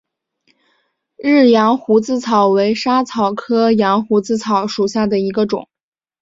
日羊胡子草为莎草科羊胡子草属下的一个种。